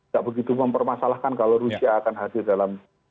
tidak begitu mempermasalahkan kalau rusia akan hadir dalam g dua puluh